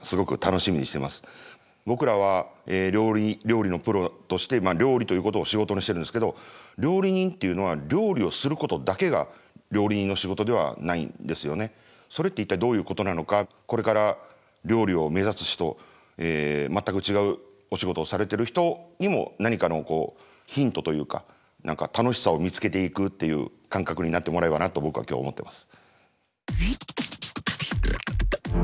僕らは料理のプロとして料理ということを仕事にしてるんですけど料理人っていうのはそれって一体どういうことなのかこれから料理を目指す人全く違うお仕事をされてる人にも何かのヒントというか何か楽しさを見つけていくっていう感覚になってもらえばなと僕は今日思ってます。